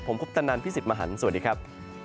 ผมคุปตนันพี่สิทธิ์มหันฯสวัสดีครับ